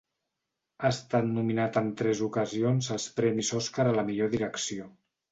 Ha estat nominat en tres ocasions als premis Oscar a la millor direcció.